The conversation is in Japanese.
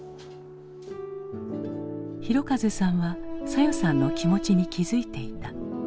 広和さんは早代さんの気持ちに気付いていた。